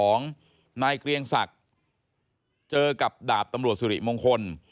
ตอนบ่ายสองนายเกรียงศักดิ์เจอกับดาบตำรวจสุริมงคล